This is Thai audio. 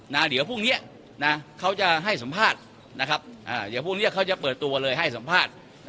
เดี๋ยวพรุ่งนี้นะเขาจะให้สัมภาษณ์นะครับเดี๋ยวพรุ่งนี้เขาจะเปิดตัวเลยให้สัมภาษณ์